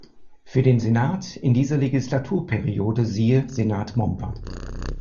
Für den Senat in dieser Legislaturperiode siehe Senat Momper.